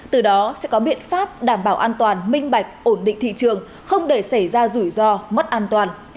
từ đó sẽ có biện pháp đảm bảo an toàn minh bạch ổn định thị trường không để xảy ra rủi ro mất an toàn